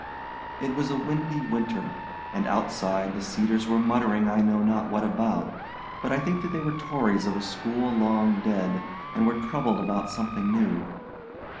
It was a windy winter, and outside the cedars were muttering I know not what about; but I think that they were Tories of a school long dead, and were troubled about something new.